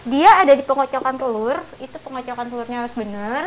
dia ada di pengocokan telur itu pengocokan telurnya harus benar